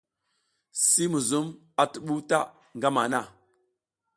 Si muzum a tuɓuw ta ngama han.